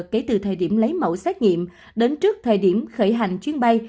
kể từ thời điểm lấy mẫu xét nghiệm đến trước thời điểm khởi hành chuyến bay